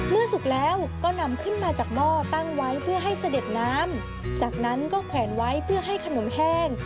สุกแล้วก็นำขึ้นมาจากหม้อตั้งไว้เพื่อให้เสด็จน้ำจากนั้นก็แขวนไว้เพื่อให้ขนมแห้ง